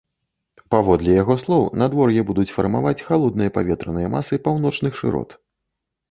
Паводле яго слоў, надвор'е будуць фармаваць халодныя паветраныя масы паўночных шырот.